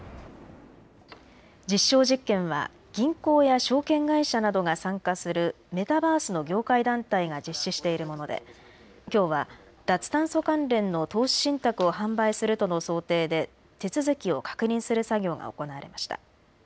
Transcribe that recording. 実証実験は銀行や証券会社などが参加するメタバースの業界団体が実施しているものできょうは脱炭素関連の投資信託を販売するとの想定で手続きを確認する作業が行われました。